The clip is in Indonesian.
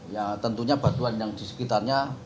ya tentunya batuan yang di sekitarnya